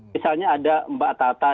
misalnya ada mbak atta atta